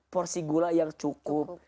porsi gula yang cukup